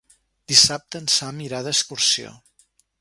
Dissabte en Sam irà d'excursió.